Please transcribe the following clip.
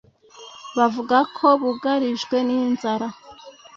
bavuga ko bugarijwe n’inzara